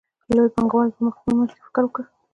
لویو پانګوالو په خپل منځ کې فکر وکړ